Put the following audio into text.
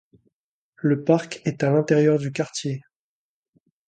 Le parc est à l'intérieur du quartier.